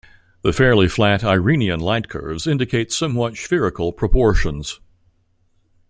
The fairly flat Irenian lightcurves indicate somewhat spherical proportions.